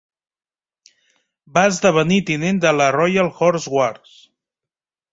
Va esdevenir tinent de la Royal Horse Guards.